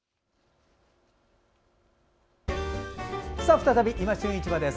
再び「いま旬市場」です。